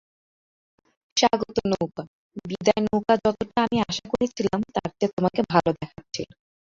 স্বাগত নৌকা, বিদায় নৌকাযতটা আমি আশা করেছিলাম, তার চেয়ে তোমাকে ভালো দেখাচ্ছিল।